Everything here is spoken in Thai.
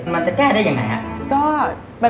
มันจะแก้ได้อย่างไหน